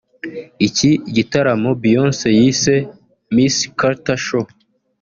Iki gitaramo Beyonce yise Mrs Carter show